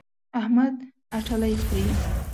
احمد اټالۍ خوري.